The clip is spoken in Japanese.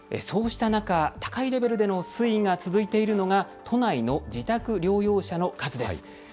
そうした中、高いレベルでの推移が続いているのが都内の自宅療養者の数です。